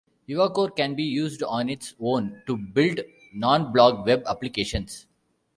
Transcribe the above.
EvoCore can be used on its own to build non-blog web applications.